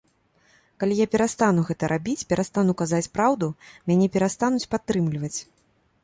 Калі я перастану гэта рабіць, перастану казаць праўду, мяне перастануць падтрымліваць.